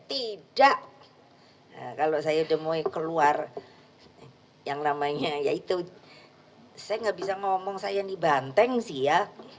tidak kalau saya udah mau keluar yang namanya yaitu saya gak bisa ngomong saya nih banteng sih ya